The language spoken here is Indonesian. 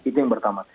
itu yang pertama